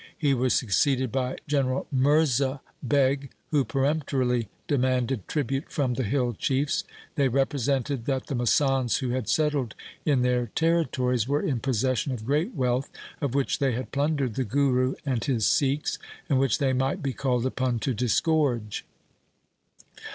He was succeeded by General Mirza Beg, who peremptorily demanded tribute from the hill chiefs. They represented that the masands who had settled in their territories, were in possession of great wealth of which they had plundered the Guru and his Sikhs, and which they might be called upon to dis gorge.